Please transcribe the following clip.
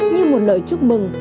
như một lời chúc mừng